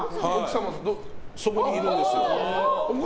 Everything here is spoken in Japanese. そこにいるんですよ。